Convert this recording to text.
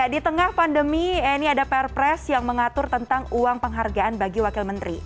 di tengah pandemi ini ada perpres yang mengatur tentang uang penghargaan bagi wakil menteri